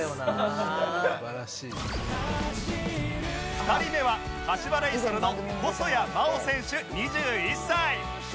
２人目は柏レイソルの細谷真大選手２１歳